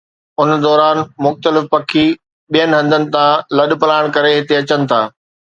ان دوران مختلف پکي ٻين هنڌن تان لڏپلاڻ ڪري هتي اچن ٿا